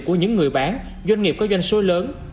của những người bán doanh nghiệp có doanh số lớn